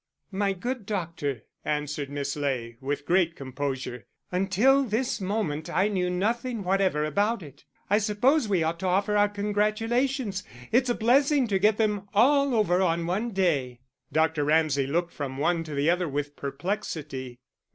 "My good doctor," answered Miss Ley, with great composure, "until this moment I knew nothing whatever about it.... I suppose we ought to offer our congratulations; it's a blessing to get them all over on one day." Dr. Ramsay looked from one to the other with perplexity.